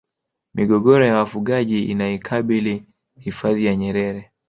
migogoro ya wafugaji inaikabili hifadhi ya nyerere